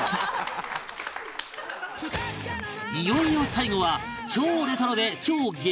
いよいよ最後は超レトロで超激